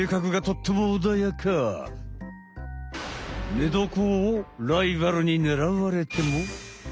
寝床をライバルに狙われても。